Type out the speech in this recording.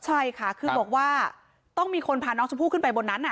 ใช่ค่ะคือบอกว่าต้องมีคนพาน้องชมพู่ขึ้นไปบนนั้น